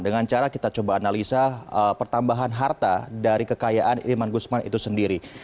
dengan cara kita coba analisa pertambahan harta dari kekayaan irman gusman itu sendiri